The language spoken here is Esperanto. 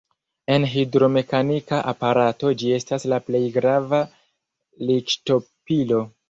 En hidromekanika aparataro ĝi estas la plej grava likŝtopilo.